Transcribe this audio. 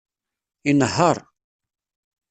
Inehheṛ.